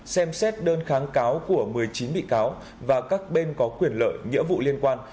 xem xét đơn kháng cáo của một mươi chín bị cáo và các bên có quyền lợi nghĩa vụ liên quan